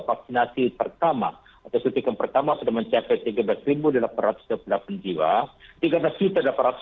vaksinasi pertama atau suntikan pertama sudah mencapai tiga belas delapan ratus dua puluh delapan jiwa